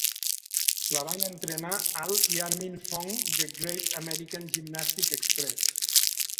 La van entrenar Al i Armine Fong de Great American Gymnastic Express.